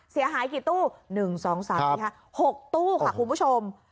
เสียหายกี่ตู้๑๒๓สิคะ๖ตู้ค่ะคุณผู้ชม